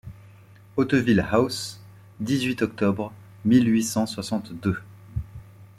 Hauteville-House, dix-huit octobre mille huit cent soixante-deux.